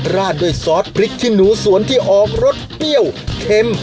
ราดด้วยซอสพริกขี้หนูสวนที่ออกรสเปรี้ยวเค็ม